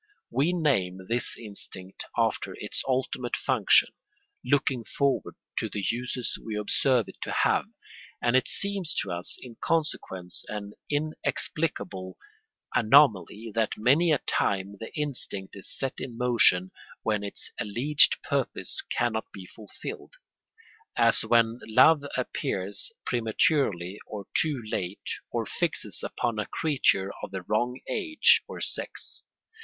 We name this instinct after its ultimate function, looking forward to the uses we observe it to have; and it seems to us in consequence an inexplicable anomaly that many a time the instinct is set in motion when its alleged purpose cannot be fulfilled; as when love appears prematurely or too late, or fixes upon a creature of the wrong age or sex.